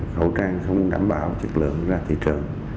khẩu trang không đảm bảo chất lượng ra thị trường